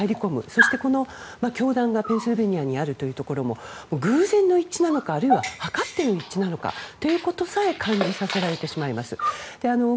そして、この教団がペンシルベニア州にあるというところも偶然の一致なのかあるいは図っての一致なのかということさえ感じさせられてしまいます。